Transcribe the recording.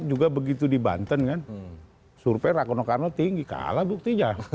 juga begitu di banten kan survei rakono karno tinggi kalah buktinya